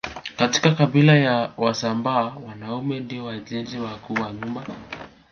Katika kabila la wasambaa wanaume ndio wajenzi wakuu wa nyumba